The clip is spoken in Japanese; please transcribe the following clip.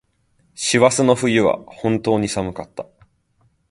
網走の冬は本当に寒かった。